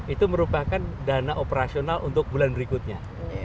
itu merupakan dana operasional untuk bulan berikutnya